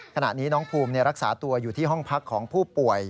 ขณะนี้น้องภูมิรักษาตัวอยู่ที่ห้องพักของผู้ป่วย